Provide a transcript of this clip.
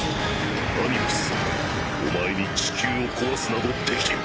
アニムスお前に地球を壊すなどできん。